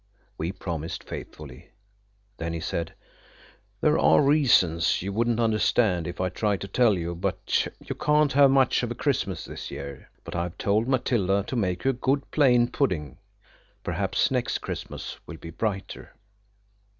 We promised faithfully. Then he said– "There are reasons–you wouldn't understand if I tried to tell you–but you can't have much of a Christmas this year. But I've told Matilda to make you a good plain pudding. Perhaps next Christmas will be brighter."